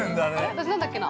私、何だっけな。